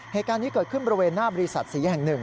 เหตุการณ์นี้เกิดขึ้นบริเวณหน้าบริษัทสีแห่งหนึ่ง